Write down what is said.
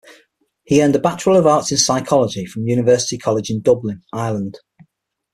He earned a Bachelor of Arts in psychology from University College in Dublin, Ireland.